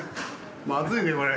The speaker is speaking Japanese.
まずいねこれ。